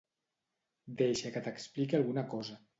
Deixa que t'expliqui alguna cosa.